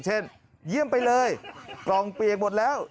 เช่นเยี่ยมไปเลยกล่องเปลี่ยงหมดแล้ว